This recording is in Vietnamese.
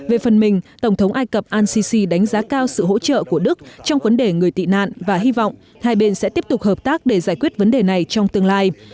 về phần mình tổng thống ai cập al sisi đánh giá cao sự hỗ trợ của đức trong vấn đề người tị nạn và hy vọng hai bên sẽ tiếp tục hợp tác để giải quyết vấn đề này trong tương lai